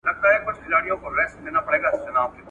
د ربابونو دور به بیا سي !.